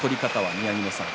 宮城野さん。